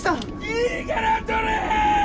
いいから撮れ！